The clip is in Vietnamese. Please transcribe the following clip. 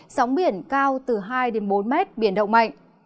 sóng biển cao từ hai bốn m biển động mạnh